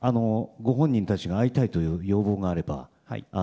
ご本人たちから会いたいという要望があれば。